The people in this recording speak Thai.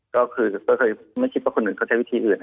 ก็คือไม่คิดว่าคนอื่นเขาใช้วิธีอื่น